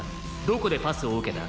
どこでパスを受けた？